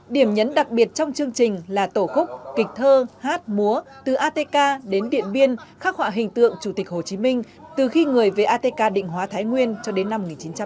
điểm nhấn đặc biệt trong chương trình là tổ khúc kịch thơ hát múa từ atk đến điện biên khắc họa hình tượng chủ tịch hồ chí minh từ khi người về atk định hóa thái nguyên cho đến năm một nghìn chín trăm tám mươi